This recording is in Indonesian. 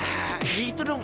hah gitu dong